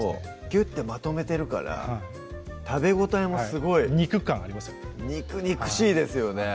ぎゅってまとめてるから食べ応えもすごい肉感ありますよね肉々しいですよね